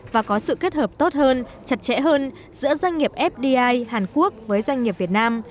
và có sự kết hợp tốt hơn chặt chẽ hơn giữa doanh nghiệp fdi hàn quốc với doanh nghiệp việt nam